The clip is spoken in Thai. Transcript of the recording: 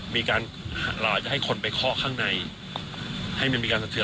เราอาจจะให้คนไปคลอกข้างในให้มันมีการสะเทือน